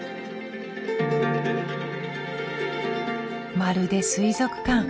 まるで水族館。